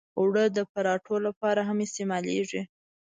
اوړه د پراتو لپاره هم استعمالېږي